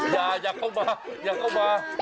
อย่าเข้ามาอย่าเข้ามา